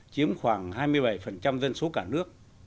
chiếm khoảng hai mươi bảy dân số cả nước